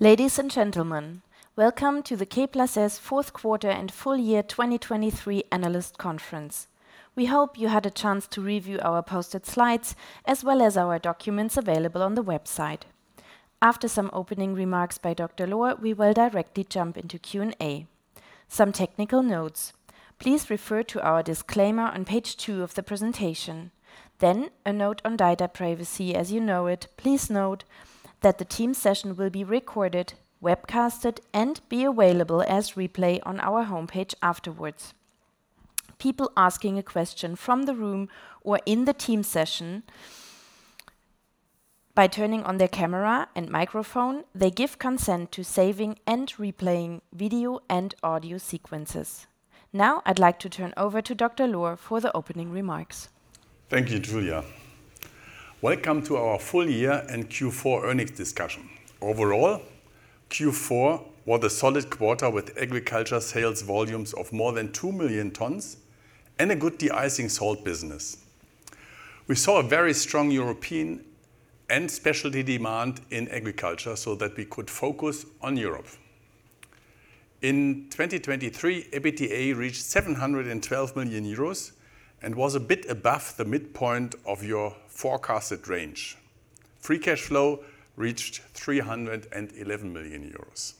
Ladies and gentlemen, welcome to the K+S Fourth Quarter and Full Year 2023 Analyst Conference. We hope you had a chance to review our posted slides, as well as our documents available on the website. After some opening remarks by Dr. Lohr, we will directly jump into Q&A. Some technical notes: Please refer to our disclaimer on page two of the presentation. Then, a note on data privacy. As you know it, please note that the Teams session will be recorded, webcasted, and be available as replay on our homepage afterwards. People asking a question from the room or in the Teams session, by turning on their camera and microphone, they give consent to saving and replaying video and audio sequences. Now, I'd like to turn over to Dr. Lohr for the opening remarks. Thank you, Julia. Welcome to our full year and Q4 earnings discussion. Overall, Q4 was a solid quarter with agriculture sales volumes of more than 2 million tons and a good de-icing salt business. We saw a very strong European and specialty demand in agriculture so that we could focus on Europe. In 2023, EBITDA reached 712 million euros and was a bit above the midpoint of your forecasted range. Free cash flow reached 311 million euros.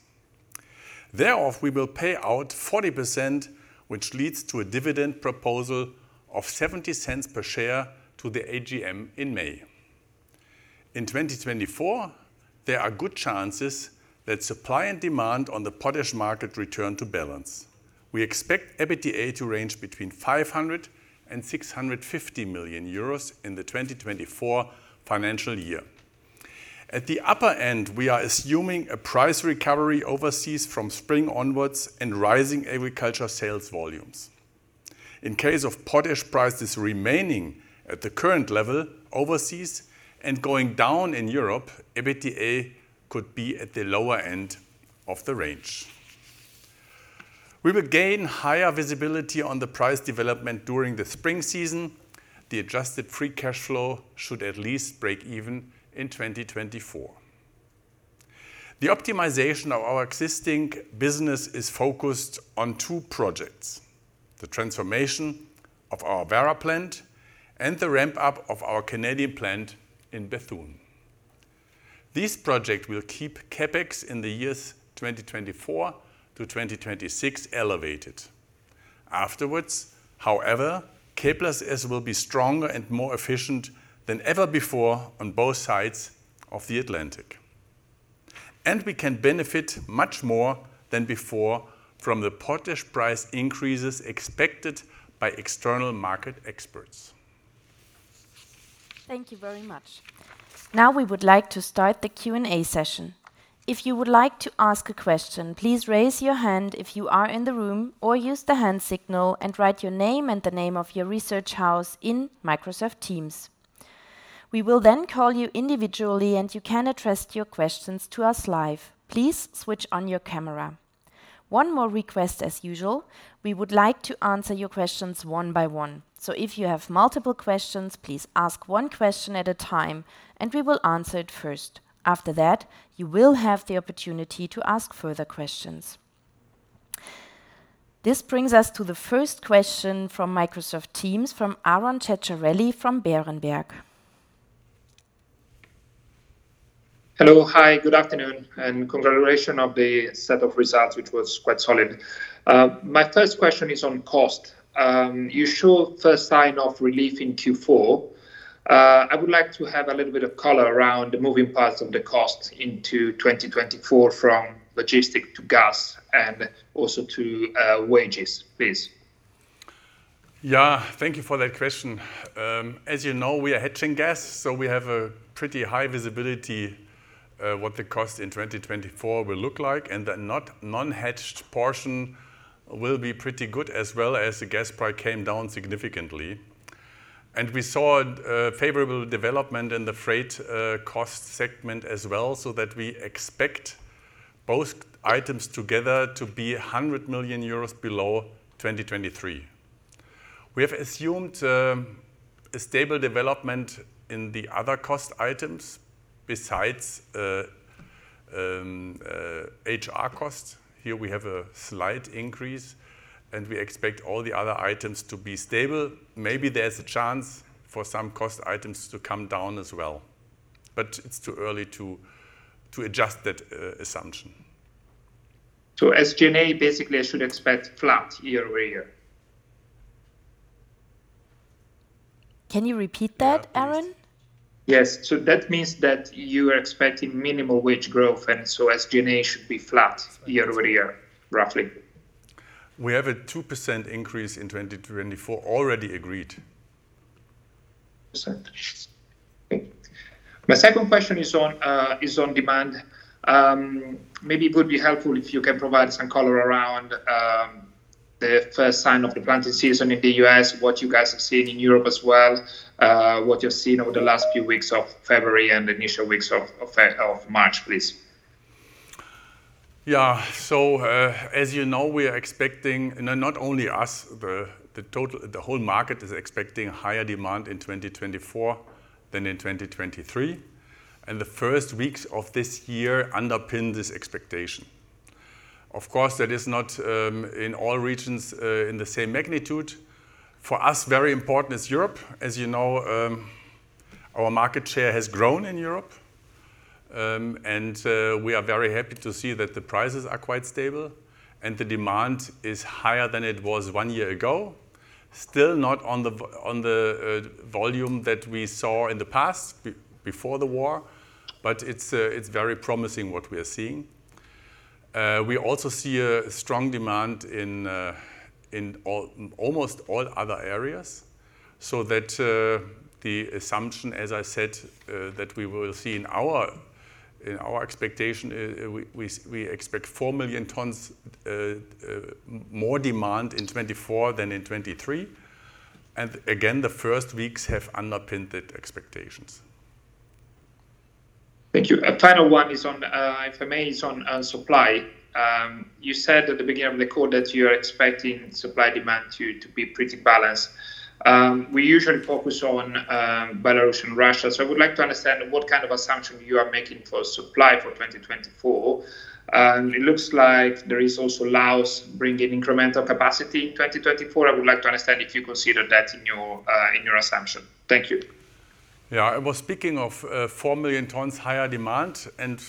Thereof, we will pay out 40%, which leads to a dividend proposal of 0.70 per share to the AGM in May. In 2024, there are good chances that supply and demand on the potash market return to balance. We expect EBITDA to range between 500 million euros and 650 million euros in the 2024 financial year. At the upper end, we are assuming a price recovery overseas from spring onwards and rising agriculture sales volumes. In case of potash prices remaining at the current level overseas and going down in Europe, EBITDA could be at the lower end of the range. We will gain higher visibility on the price development during the spring season. The adjusted free cash flow should at least break even in 2024. The optimization of our existing business is focused on two projects: the transformation of our Werra plant and the ramp-up of our Canadian plant in Bethune. This project will keep CapEx in the years 2024 to 2026 elevated. Afterwards, however, K+S will be stronger and more efficient than ever before on both sides of the Atlantic, and we can benefit much more than before from the potash price increases expected by external market experts. Thank you very much. Now, we would like to start the Q&A session. If you would like to ask a question, please raise your hand if you are in the room, or use the hand signal and write your name and the name of your research house in Microsoft Teams. We will then call you individually, and you can address your questions to us live. Please switch on your camera. One more request, as usual, we would like to answer your questions one by one. So if you have multiple questions, please ask one question at a time, and we will answer it first. After that, you will have the opportunity to ask further questions. This brings us to the first question from Microsoft Teams, from Aron Ceccarelli from Berenberg. Hello. Hi, good afternoon, and congratulations on the set of results, which was quite solid. My first question is on cost. You show first sign of relief in Q4. I would like to have a little bit of color around the moving parts of the cost into 2024, from logistics to gas and also to wages, please. Yeah, thank you for that question. As you know, we are hedging gas, so we have a pretty high visibility what the cost in 2024 will look like, and the non-hedged portion will be pretty good, as well, as the gas price came down significantly. And we saw a favorable development in the freight cost segment as well, so that we expect both items together to be 100 million euros below 2023. We have assumed a stable development in the other cost items, besides HR costs. Here, we have a slight increase, and we expect all the other items to be stable. Maybe there's a chance for some cost items to come down as well, but it's too early to adjust that assumption. As SG&A, basically, I should expect flat year-over-year? Can you repeat that, Aron? Yes. So that means that you are expecting minimal wage growth, and so SG&A should be flat year-over-year, roughly. We have a 2% increase in 2024 already agreed. Yes, sir. Thank you. My second question is on demand. Maybe it would be helpful if you can provide some color around the first sign of the planting season in the U.S., what you guys have seen in Europe as well, what you've seen over the last few weeks of February and the initial weeks of March, please? ... Yeah, so, as you know, we are expecting, and not only us, the whole market is expecting higher demand in 2024 than in 2023, and the first weeks of this year underpinned this expectation. Of course, that is not in all regions in the same magnitude. For us, very important is Europe. As you know, our market share has grown in Europe, and we are very happy to see that the prices are quite stable and the demand is higher than it was one year ago. Still not on the volume that we saw in the past, before the war, but it's very promising what we are seeing. We also see a strong demand in almost all other areas. So that the assumption, as I said, that we will see in our expectation is we expect 4 million tons more demand in 2024 than in 2023. And again, the first weeks have underpinned the expectations. Thank you. A final one is on supply, if I may. You said at the beginning of the call that you are expecting supply-demand to be pretty balanced. We usually focus on Belarus and Russia, so I would like to understand what kind of assumption you are making for supply for 2024. And it looks like there is also Laos bringing incremental capacity in 2024. I would like to understand if you consider that in your assumption. Thank you. Yeah. I was speaking of 4 million tons higher demand, and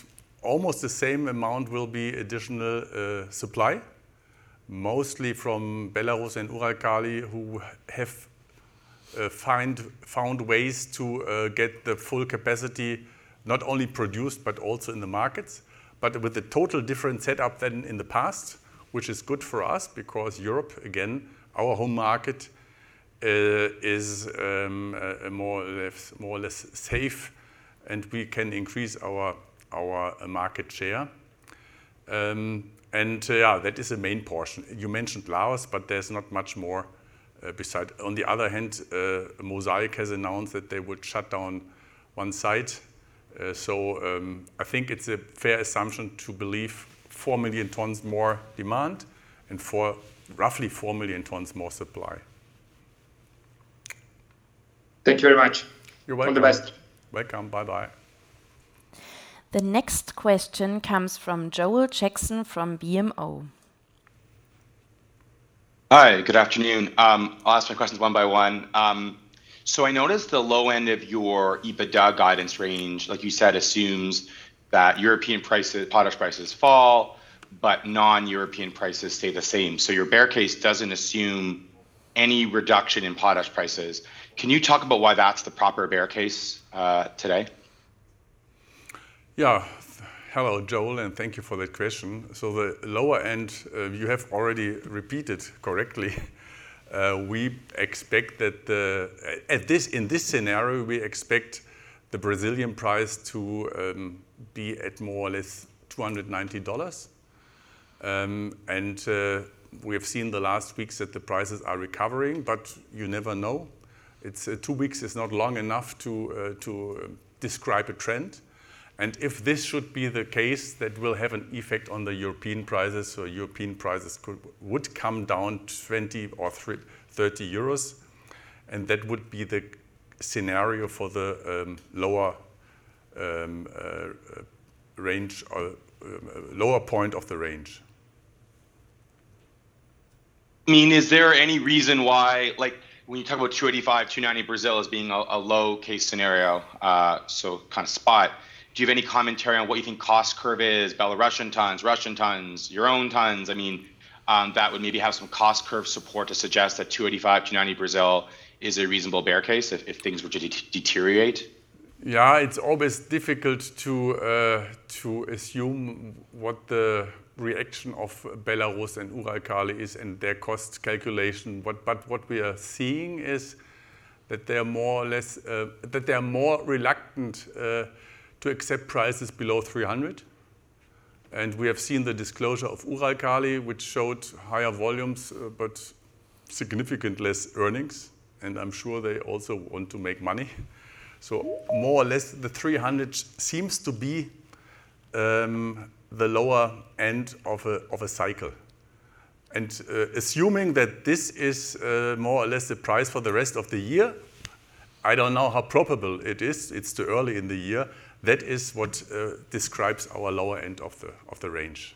almost the same amount will be additional supply, mostly from Belarus and Uralkali, who have found ways to get the full capacity, not only produced, but also in the markets. But with a total different setup than in the past, which is good for us, because Europe, again, our home market, is more or less, more or less safe, and we can increase our market share. And yeah, that is the main portion. You mentioned Laos, but there's not much more beside... On the other hand, Mosaic has announced that they would shut down one site. So, I think it's a fair assumption to believe 4 million tons more demand and roughly 4 million tons more supply. Thank you very much. You're welcome. All the best. Welcome. Bye-bye. The next question comes from Joel Jackson from BMO. Hi, good afternoon. I'll ask my questions one by one. So I noticed the low end of your EBITDA guidance range, like you said, assumes that European prices, potash prices fall, but non-European prices stay the same. So your bear case doesn't assume any reduction in potash prices. Can you talk about why that's the proper bear case today? Yeah. Hello, Joel, and thank you for that question. So the lower end, you have already repeated correctly. We expect that at this, in this scenario, we expect the Brazilian price to be at more or less $290. And, we have seen the last weeks that the prices are recovering, but you never know. It's, two weeks is not long enough to describe a trend. And if this should be the case, that will have an effect on the European prices, so European prices would come down 20 or 30 euros, and that would be the scenario for the lower range or lower point of the range. I mean, is there any reason why, like, when you talk about $285-$290 Brazil as being a low-case scenario, so kind of spot, do you have any commentary on what you think cost curve is, Belarusian tons, Russian tons, your own tons? I mean, that would maybe have some cost curve support to suggest that $285-$290 Brazil is a reasonable bear case if things were to deteriorate. Yeah, it's always difficult to, to assume what the reaction of Belarus and Uralkali is and their cost calculation. But, but what we are seeing is that they are more or less, that they are more reluctant, to accept prices below $300. And we have seen the disclosure of Uralkali, which showed higher volumes, but significantly less earnings, and I'm sure they also want to make money. So more or less, the $300 seems to be, the lower end of a, of a cycle. And, assuming that this is, more or less the price for the rest of the year, I don't know how probable it is, it's too early in the year, that is what, describes our lower end of the, of the range.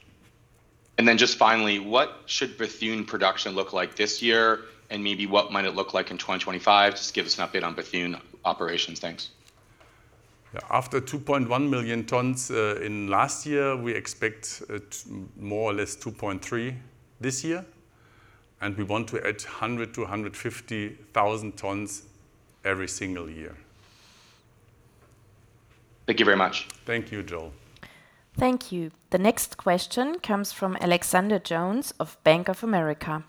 Then just finally, what should Bethune production look like this year? And maybe what might it look like in 2025? Just give us an update on Bethune operations. Thanks. Yeah. After 2.1 million tons in last year, we expect more or less 2.3 this year, and we want to add 100,000-150,000 tons every single year. Thank you very much. Thank you, Joel. Thank you. The next question comes from Alexander Jones of Bank of America.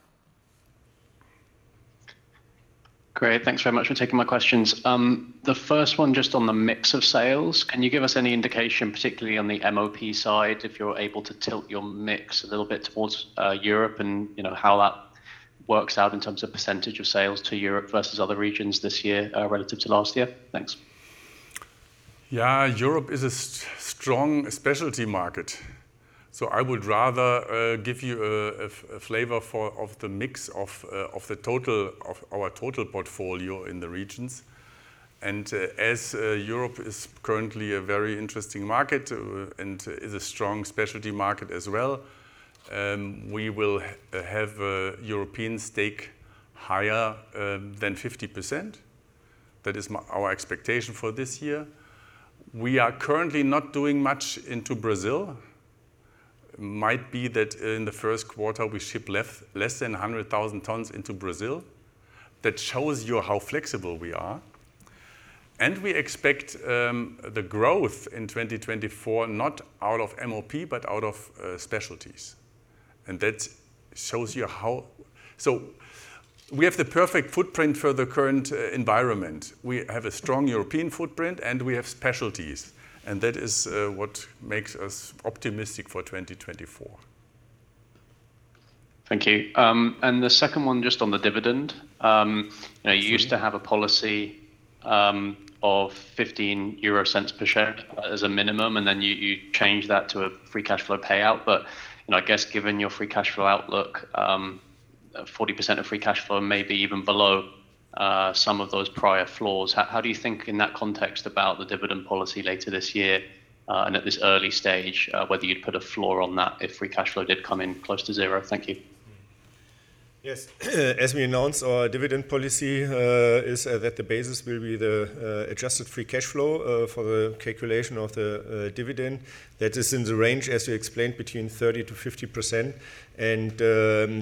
Great, thanks very much for taking my questions. The first one, just on the mix of sales, can you give us any indication, particularly on the MOP side, if you're able to tilt your mix a little bit towards Europe, and, you know, how that works out in terms of percentage of sales to Europe versus other regions this year, relative to last year? Thanks. ... Yeah, Europe is a strong specialty market, so I would rather give you a flavor for the mix of our total portfolio in the regions. As Europe is currently a very interesting market and is a strong specialty market as well, we will have a European stake higher than 50%. That is our expectation for this year. We are currently not doing much into Brazil. Might be that in the first quarter, we ship less than 100,000 tons into Brazil. That shows you how flexible we are. And we expect the growth in 2024, not out of MOP, but out of specialties. And that shows you how. So we have the perfect footprint for the current environment. We have a strong European footprint, and we have specialties, and that is what makes us optimistic for 2024. Thank you. The second one, just on the dividend. You know- Sure... you used to have a policy of 0.15 per share as a minimum, and then you changed that to a free cash flow payout. But, you know, I guess given your free cash flow outlook, 40% of free cash flow may be even below some of those prior floors. How do you think in that context about the dividend policy later this year, and at this early stage, whether you'd put a floor on that if free cash flow did come in close to zero? Thank you. Mm-hmm. Yes. As we announced, our dividend policy is that the basis will be the adjusted free cash flow for the calculation of the dividend. That is in the range, as you explained, between 30%-50%, and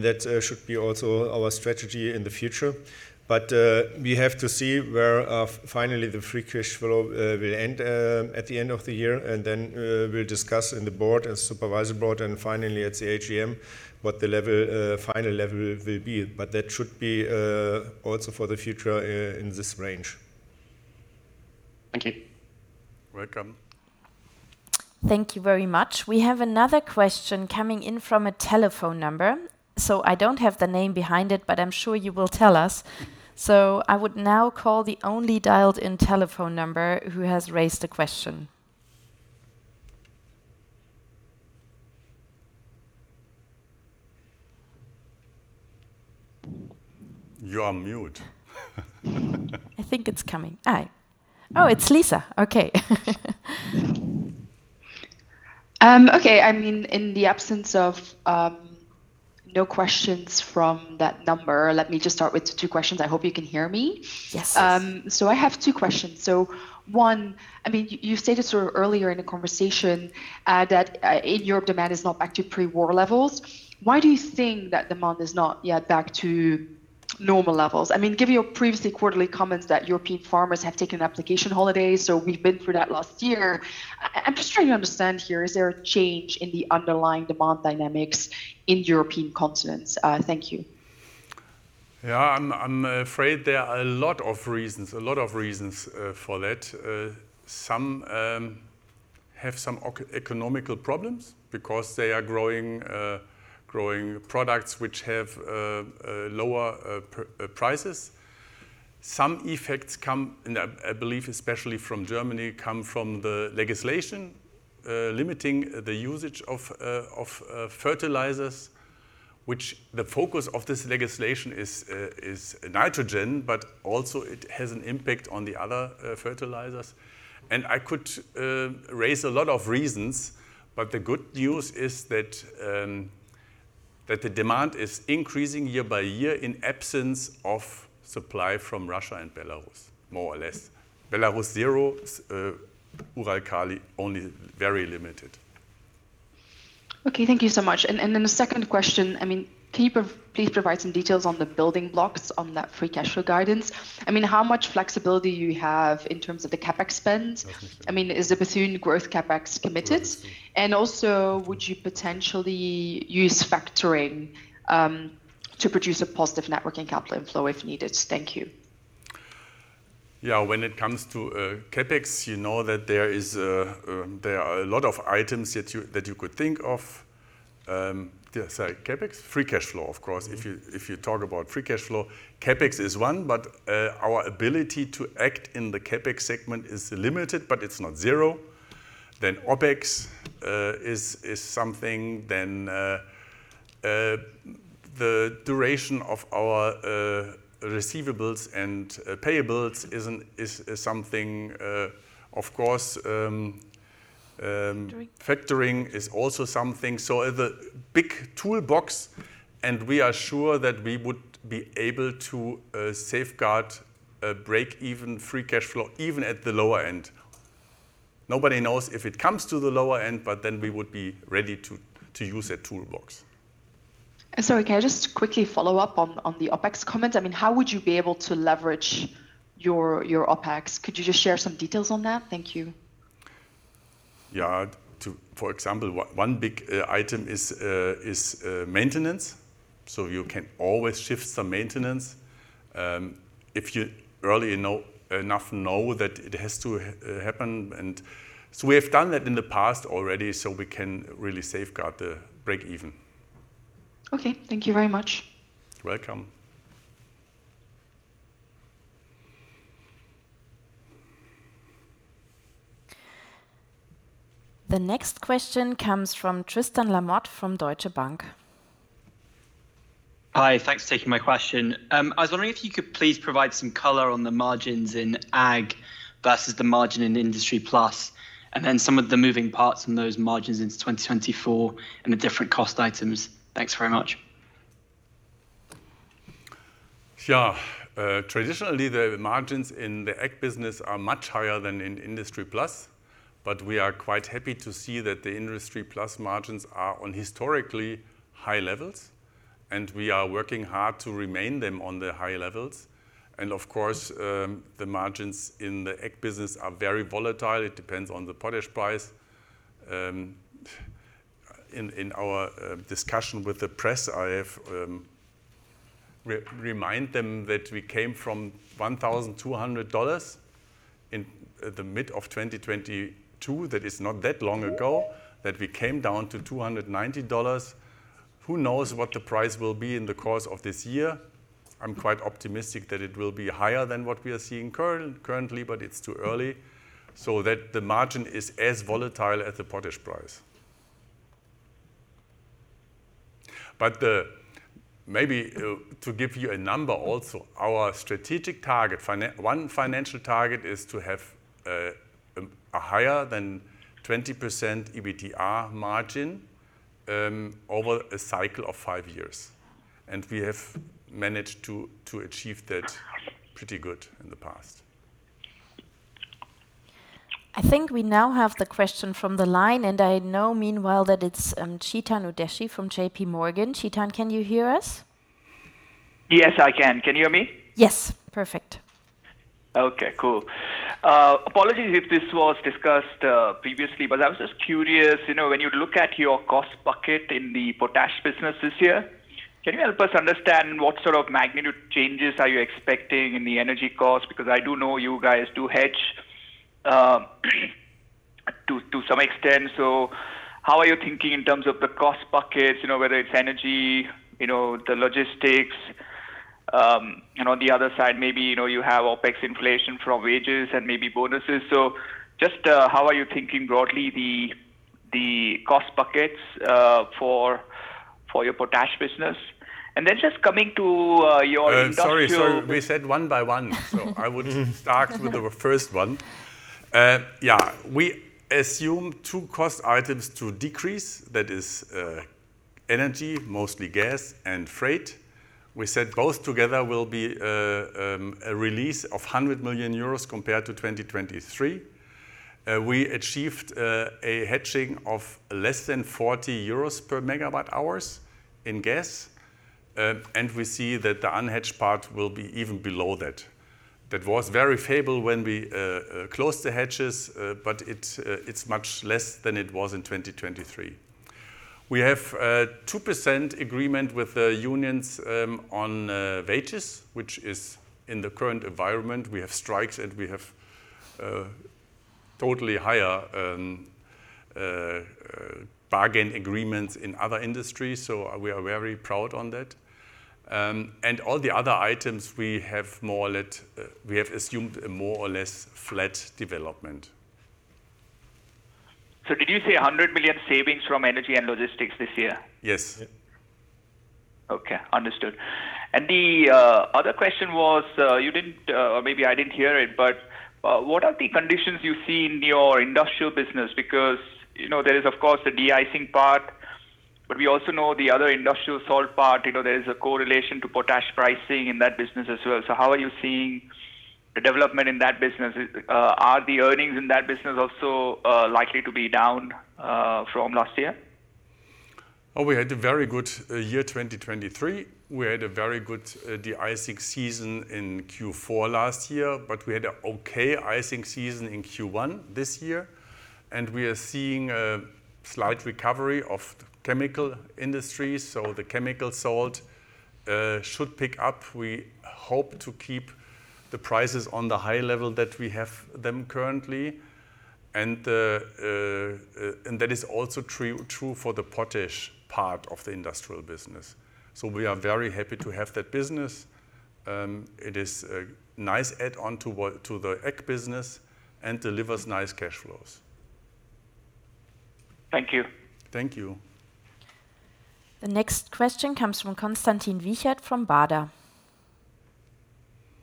that should be also our strategy in the future. But we have to see where finally the free cash flow will end at the end of the year, and then we'll discuss in the board and supervisory board, and finally at the AGM, what the final level will be. But that should be also for the future in this range. Thank you. Welcome. Thank you very much. We have another question coming in from a telephone number, so I don't have the name behind it, but I'm sure you will tell us. So I would now call the only dialed-in telephone number who has raised a question. You are mute. I think it's coming. Hi. Oh, it's Lisa. Okay. Okay, I mean, in the absence of no questions from that number, let me just start with two questions. I hope you can hear me. Yes, yes. I have two questions. One, I mean, you stated sort of earlier in the conversation that in Europe, demand is not back to pre-war levels. Why do you think that demand is not yet back to normal levels? I mean, given your previous quarterly comments that European farmers have taken application holidays, so we've been through that last year. I'm just trying to understand here, is there a change in the underlying demand dynamics in the European continent? Thank you. Yeah, I'm afraid there are a lot of reasons, a lot of reasons, for that. Some have some economic problems because they are growing products which have lower prices. Some effects come, and I believe, especially from Germany, come from the legislation limiting the usage of fertilizers, which the focus of this legislation is nitrogen, but also it has an impact on the other fertilizers. And I could raise a lot of reasons, but the good news is that the demand is increasing year by year in absence of supply from Russia and Belarus, more or less. Belarus, zero. Uralkali, only very limited. Okay, thank you so much. And then the second question: I mean, can you please provide some details on the building blocks on that free cash flow guidance? I mean, how much flexibility you have in terms of the CapEx spends? That's the thing. I mean, is the Bethune growth CapEx committed? Right. Also, would you potentially use factoring to produce a positive net working capital inflow if needed? Thank you. Yeah, when it comes to, CapEx, you know that there is, there are a lot of items that you, that you could think of. Sorry, CapEx? Free cash flow, of course. Mm-hmm. If you talk about free cash flow, CapEx is one, but our ability to act in the CapEx segment is limited, but it's not zero. Then OpEx is something, then the duration of our receivables and payables is something. Of course, Factoring... factoring is also something. So the big toolbox, and we are sure that we would be able to safeguard a break-even free cash flow, even at the lower end. Nobody knows if it comes to the lower end, but then we would be ready to use that toolbox. Sorry, can I just quickly follow up on, on the OpEx comment? I mean, how would you be able to leverage your, your OpEx? Could you just share some details on that? Thank you. Yeah. For example, one big item is maintenance. So you can always shift some maintenance if you know early enough that it has to happen, and so we have done that in the past already, so we can really safeguard the break-even. Okay. Thank you very much. Welcome. ... The next question comes from Tristan Lamotte from Deutsche Bank. Hi, thanks for taking my question. I was wondering if you could please provide some color on the margins in Ag versus the margin in Industry+, and then some of the moving parts in those margins into 2024 and the different cost items. Thanks very much. Yeah. Traditionally, the margins in the Ag business are much higher than in Industry+, but we are quite happy to see that the Industry+ margins are on historically high levels, and we are working hard to remain them on the high levels. And of course, the margins in the Ag business are very volatile. It depends on the potash price. In our discussion with the press, I have remind them that we came from $1,200 in the mid of 2022. That is not that long ago, that we came down to $290. Who knows what the price will be in the course of this year? I'm quite optimistic that it will be higher than what we are seeing currently, but it's too early, so that the margin is as volatile as the potash price. But, maybe, to give you a number also, our strategic target, one financial target is to have, a higher than 20% EBITDA margin, over a cycle of five years, and we have managed to, to achieve that pretty good in the past. I think we now have the question from the line, and I know, meanwhile, that it's Chetan Udeshi from JPMorgan. Chetan, can you hear us? Yes, I can. Can you hear me? Yes, perfect. Okay, cool. Apologies if this was discussed previously, but I was just curious, you know, when you look at your cost bucket in the potash business this year, can you help us understand what sort of magnitude changes are you expecting in the energy costs? Because I do know you guys do hedge, to some extent. So how are you thinking in terms of the cost buckets? You know, whether it's energy, you know, the logistics. You know, on the other side, maybe, you know, you have OpEx inflation from wages and maybe bonuses. So just, how are you thinking broadly, the cost buckets, for your potash business? And then just coming to, your industrial- Sorry. Sorry, we said one by one. So I would start with the first one. Yeah. We assume two cost items to decrease. That is, energy, mostly gas and freight. We said both together will be a release of 100 million euros compared to 2023. We achieved a hedging of less than 40 euros per megawatt hours in gas, and we see that the unhedged part will be even below that. That was very favorable when we closed the hedges, but it's much less than it was in 2023. We have a 2% agreement with the unions, on wages, which is in the current environment, we have strikes, and we have totally higher bargain agreements in other industries, so we are very proud on that. All the other items, we have more or less, we have assumed a more or less flat development. Did you say 100 million savings from energy and logistics this year? Yes. Okay, understood. And the other question was, you didn't, or maybe I didn't hear it, but what are the conditions you see in your industrial business? Because, you know, there is, of course, the de-icing part, but we also know the other industrial salt part, you know, there is a correlation to potash pricing in that business as well. So how are you seeing the development in that business? Is... Are the earnings in that business also likely to be down from last year? Oh, we had a very good year, 2023. We had a very good de-icing season in Q4 last year, but we had an okay icing season in Q1 this year, and we are seeing a slight recovery of chemical industries, so the chemical salt should pick up. We hope to keep the prices on the high level that we have them currently, and that is also true, true for the potash part of the industrial business. So we are very happy to have that business. It is a nice add-on to what? To the Ag business and delivers nice cash flows. Thank you. Thank you. The next question comes from Konstantin Wiechert from Baader.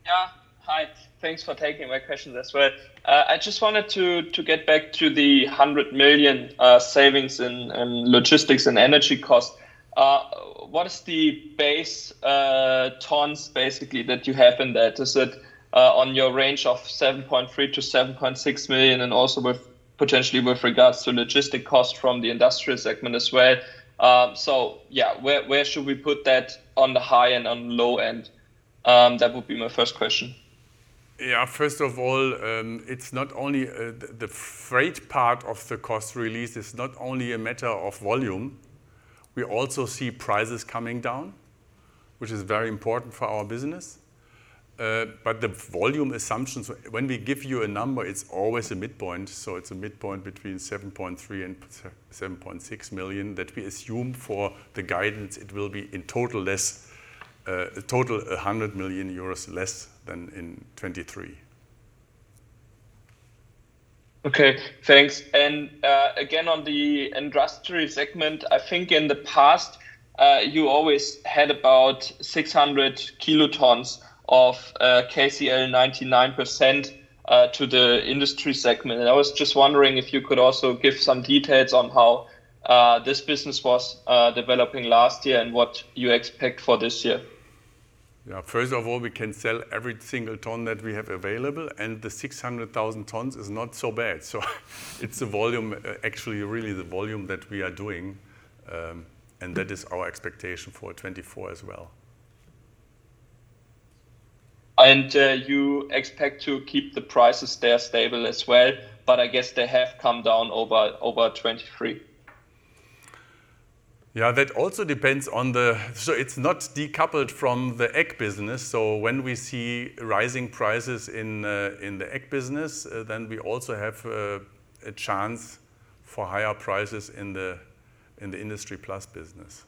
Yeah. Hi, thanks for taking my question as well. I just wanted to, to get back to the 100 million savings in, in logistics and energy costs. What is the base, tons, basically, that you have in that? Is it, on your range of 7.3 million-7.6 million tons, and also with, potentially with regards to logistics costs from the industrial segment as well? So yeah, where, where should we put that on the high end and low end? That would be my first question. Yeah, first of all, it's not only the freight part of the cost release is not only a matter of volume, we also see prices coming down, which is very important for our business. But the volume assumptions, when we give you a number, it's always a midpoint, so it's a midpoint between 7.3 million and 7.6 million that we assume for the guidance. It will be in total less, total 100 million euros less than in 2023. Okay, thanks. And, again, on the industry segment, I think in the past, you always had about 600 kilotons of KCl 99% to the industry segment. And I was just wondering if you could also give some details on how this business was developing last year and what you expect for this year? Yeah. First of all, we can sell every single ton that we have available, and the 600,000 tons is not so bad. So it's the volume, actually, really the volume that we are doing, and that is our expectation for 2024 as well. You expect to keep the prices there stable as well? But I guess they have come down over 2023. Yeah, that also depends on the... So it's not decoupled from the ag business. So when we see rising prices in the ag business, then we also have a chance for higher prices in the Industry+ business.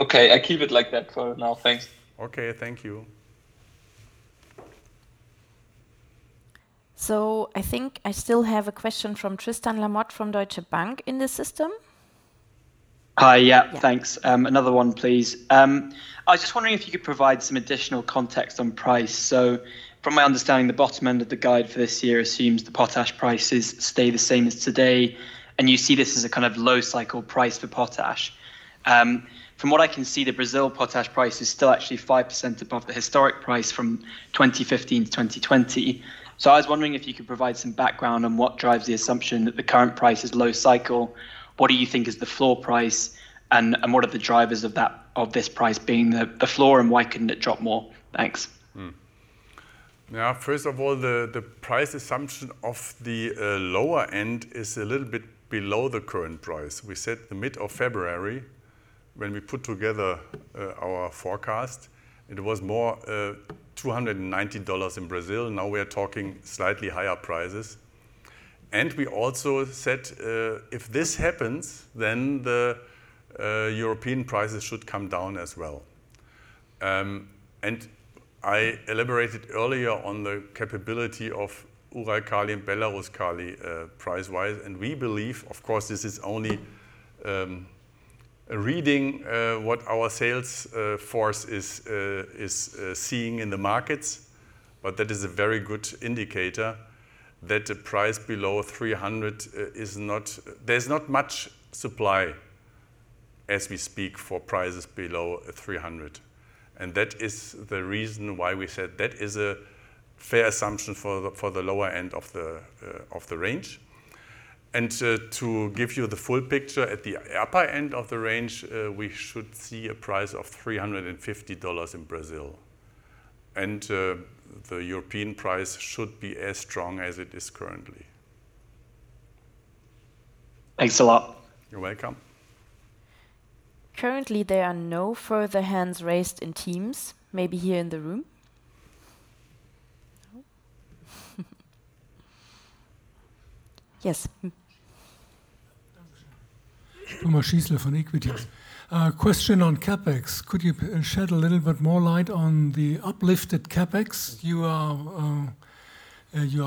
Okay, I keep it like that for now. Thanks. Okay, thank you. I think I still have a question from Tristan Lamotte from Deutsche Bank in the system. Hi. Yeah. Yeah. Thanks. Another one, please. I was just wondering if you could provide some additional context on price. So from my understanding, the bottom end of the guide for this year assumes the potash prices stay the same as today, and you see this as a kind of low cycle price for potash. From what I can see, the Brazil potash price is still actually 5% above the historic price from 2015 to 2020. So I was wondering if you could provide some background on what drives the assumption that the current price is low cycle. What do you think is the floor price, and what are the drivers of that, of this price being the floor, and why couldn't it drop more? Thanks. Yeah, first of all, the price assumption of the lower end is a little bit below the current price. We said the mid of February, when we put together our forecast, it was more $290 in Brazil. Now, we are talking slightly higher prices. And we also said, if this happens, then the European prices should come down as well. And I elaborated earlier on the capability of Uralkali and Belaruskali price-wise, and we believe, of course, this is only a reading what our sales force is seeing in the markets, but that is a very good indicator that the price below $300 is not... There's not much supply, as we speak, for prices below $300, and that is the reason why we said that is a fair assumption for the lower end of the range. And, to give you the full picture, at the upper end of the range, we should see a price of $350 in Brazil, and, the European price should be as strong as it is currently. Thanks a lot. You're welcome. Currently, there are no further hands raised in Teams. Maybe here in the room? Yes. [Thomas Schießle from EQUI.TS]. Question on CapEx. Could you shed a little bit more light on the uplifted CapEx you are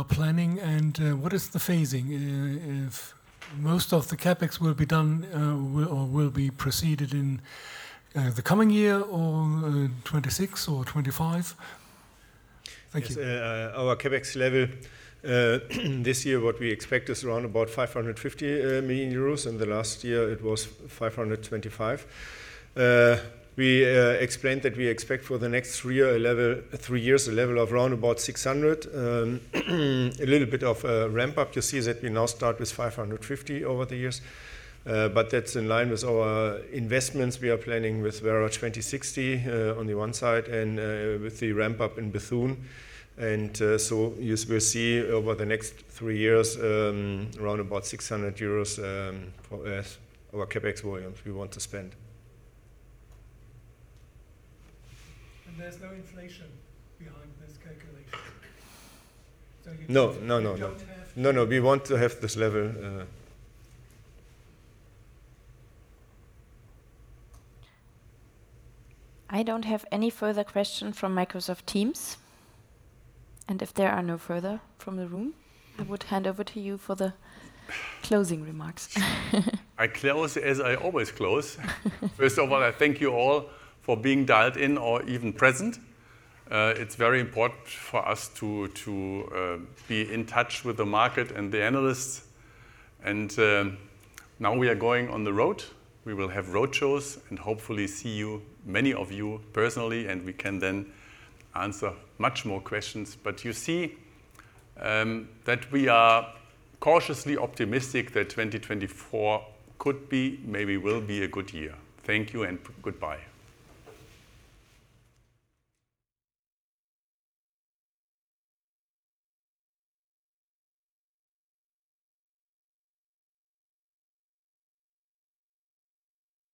planning? And, what is the phasing? If most of the CapEx will be done or will be proceeded in the coming year or 2026 or 2025? Thank you. Yes, our CapEx level this year, what we expect is around about 550 million euros. In the last year, it was 525. We explained that we expect for the next three years a level of around about 600. A little bit of a ramp up. You see that we now start with 550 over the years, but that's in line with our investments. We are planning with Werra 2060 on the one side and with the ramp up in Bethune. So you will see over the next three years around about 600 million euros for our CapEx volume we want to spend. There's no inflation behind this calculation? So you- No, no, no. You don't have to- No, no, we want to have this level, I don't have any further question from Microsoft Teams. If there are no further from the room, I would hand over to you for the closing remarks. I close as I always close. First of all, I thank you all for being dialed in or even present. It's very important for us to be in touch with the market and the analysts. Now we are going on the road. We will have roadshows and hopefully see you, many of you personally, and we can then answer much more questions. But you see, that we are cautiously optimistic that 2024 could be, maybe will be, a good year. Thank you and goodbye.